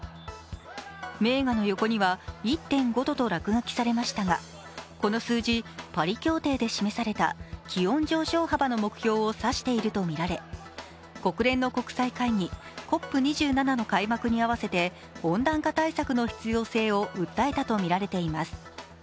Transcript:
名画の横には「１．５度」と落書きされましたがこの数字、パリ協定で示された気温上昇幅の目標を指しているとみられ国連の国際会議ＣＯＰ２７の開幕に合わせて温暖化対策の必要性を訴えたとみられています。